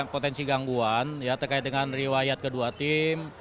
potensi gangguan ya terkait dengan riwayat kedua tim